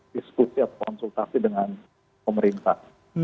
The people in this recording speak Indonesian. diskusi atau konsultasi dengan pemerintah